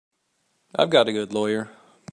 I've got a good lawyer.